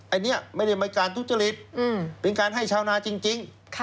ไอเนี้ยไม่ได้ไหมการตุ๊กจริตอืมเป็นการให้ชาวนาจริงจริงค่ะ